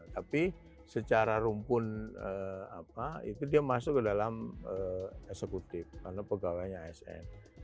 tapi secara rumpun itu dia masuk ke dalam eksekutif karena pegawainya asn